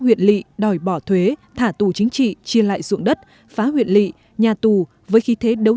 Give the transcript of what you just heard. huyện lị đòi bỏ thuế thả tù chính trị chia lại dụng đất phá huyện lị nhà tù với khí thế đấu